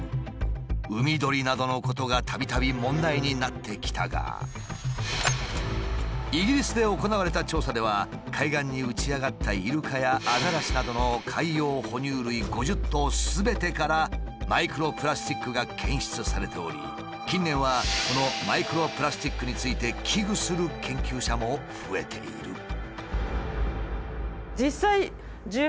海鳥などのことがたびたび問題になってきたがイギリスで行われた調査では海岸に打ち上がったイルカやアザラシなどの海洋哺乳類５０頭すべてからマイクロプラスチックが検出されており近年はこのマイクロプラスチックについて危惧する研究者も増えている。